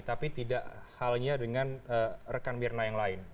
tapi tidak halnya dengan rekan mirna yang lain